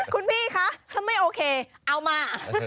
คุณพี่คะถ้าไม่โอเคเอามา